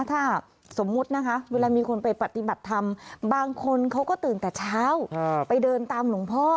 ถ้าสมมุตินะคะเวลามีคนไปปฏิบัติธรรมบางคนเขาก็ตื่นแต่เช้าไปเดินตามหลวงพ่อ